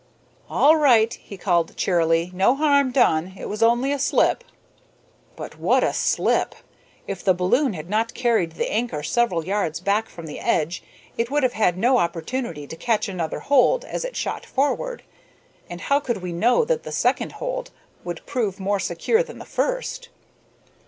"All right!" he called, cheerily. "No harm done! It was only a slip." But what a slip! If the balloon had not carried the anchor several yards back from the edge it would have had no opportunity to catch another hold as it shot forward. And how could we know that the second hold would prove more secure than the first?